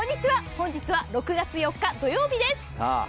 本日は６月４日土曜日です。